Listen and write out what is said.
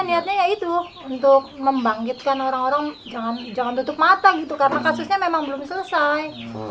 niatnya ya itu untuk membangkitkan orang orang jangan tutup mata gitu karena kasusnya memang belum selesai